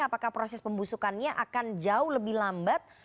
apakah proses pembusukannya akan jauh lebih lambat